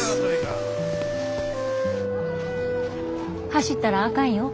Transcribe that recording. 走ったらあかんよ。